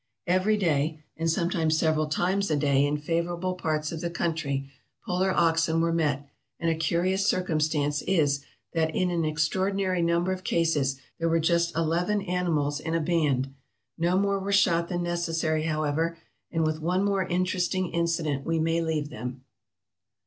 Every day, and sometimes several times a day in favorable parts of the country, polar oxen were met; and a curious cir cumstance is that in an extraordinary number of cases there were just eleven animals in a band. No more were shot than necessary, however; and with one more interesting incident we may leave them.